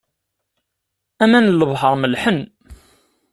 Aman n lebḥer mellḥen.